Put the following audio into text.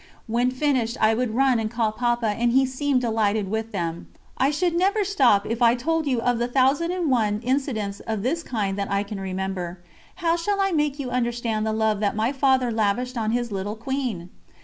When finished I would run and call Papa, and he seemed delighted with them. I should never stop if I told you of the thousand and one incidents of this kind that I can remember. How shall I make you understand the love that my Father lavished on his little Queen!